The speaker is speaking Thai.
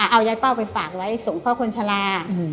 เอายายเป้าไปฝากไว้ส่งพ่อคนชะลา